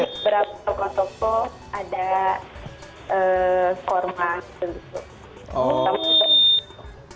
tapi berapa protokol ada forma itu